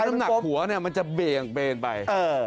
แล้วน้ำหนักหัวมันจะเบนไป